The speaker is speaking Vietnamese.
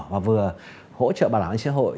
và vừa hỗ trợ bảo đảm cho xã hội